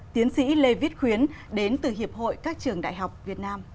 tiến sĩ lê viết khuyến đến từ hiệp hội các trường đại học việt nam